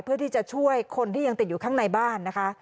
เพื่อที่จะช่วยคนที่ยังติดอยู่ข้างในบ้านนะคะ